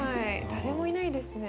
誰もいないですね。